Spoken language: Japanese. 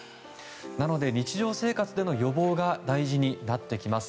なので日常生活での予防が大事になります。